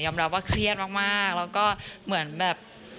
รับว่าเครียดมากแล้วก็เหมือนแบบ